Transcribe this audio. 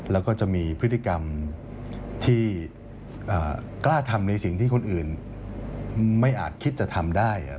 แล้วก็จะมีพฤติกรรมที่กล้าทำในสิ่งที่คนอื่นไม่อาจคิดจะทำได้